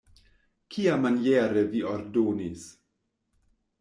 Kiamaniere vi ordonis?